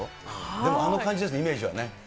でもあの感じですね、イメージはね。